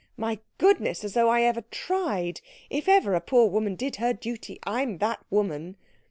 "My goodness, as though I ever tried! If ever a poor woman did her duty, I'm that woman."